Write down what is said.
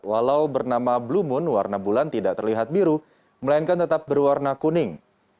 walau bernama blue moon warna bulan tidak terlihat biru melainkan tetap berwarna kuning